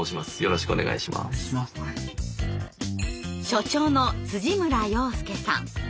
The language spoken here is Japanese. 所長の村洋介さん。